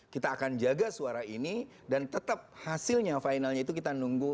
kita akan jaga suara ini dan tetap hasilnya finalnya itu kita nunggu